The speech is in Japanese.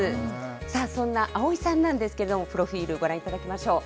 さあ、そんな蒼井さんなんですが、プロフィールご覧いただきましょう。